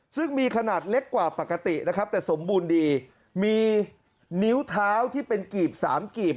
ซึ่งมีขนาดเล็กกว่าปกตินะครับแต่สมบูรณ์ดีมีนิ้วเท้าที่เป็นกีบสามกีบ